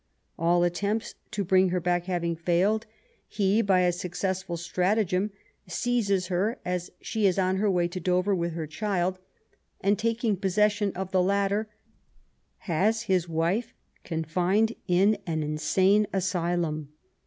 All attempts to bring her back having failed, he, by a suc <;e8sful stratagem, seizes her as she is on her way to Dover with her child, and, taking possession of the latter, has his wife confined in an insane asylum.